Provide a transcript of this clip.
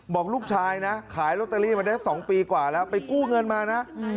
บอกลูกชายนะขายลอตเตอรี่มาได้๒ปีกว่าแล้วไปกู้เงินมานะ